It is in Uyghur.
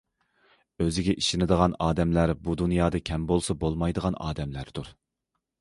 ئۆزىگە ئىشىنىدىغان ئادەملەر بۇ دۇنيادا كەم بولسا بولمايدىغان ئادەملەردۇر.